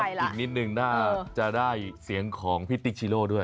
อีกนิดนึงน่าจะได้เสียงของพี่ติ๊กชีโร่ด้วย